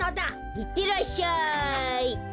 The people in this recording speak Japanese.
いってらっしゃい！